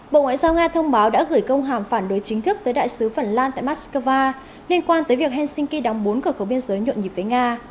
bộ ngoại giao nga thông báo đã gửi công hàm phản đối chính thức tới đại sứ phần lan tại moscow liên quan tới việc helsinki đóng bốn cửa khẩu biên giới nhuận nhịp với nga